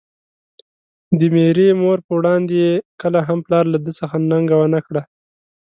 د ميرې مور په وړاندې يې کله هم پلار له ده څخه ننګه ونکړه.